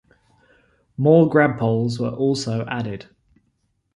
More grabpoles were also added.